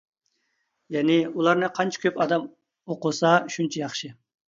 يەنى، ئۇلارنى قانچە كۆپ ئادەم ئوقۇسا شۇنچە ياخشى.